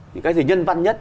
những cái gì nhân văn nhất